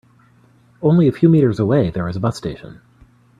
Only a few meters away there is a bus station.